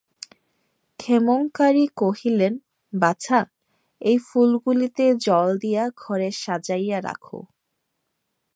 ক্ষেমংকরী কহিলেন, বাছা, এই ফুলগুলিতে জল দিয়া ঘরে সাজাইয়া রাখো।